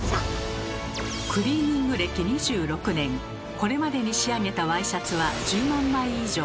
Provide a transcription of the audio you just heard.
これまでに仕上げたワイシャツは１０万枚以上！